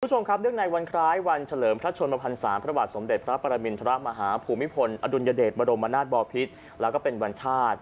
คุณผู้ชมครับเนื่องในวันคล้ายวันเฉลิมพระชนมพันศาพระบาทสมเด็จพระปรมินทรมาฮาภูมิพลอดุลยเดชบรมนาศบอพิษแล้วก็เป็นวันชาติ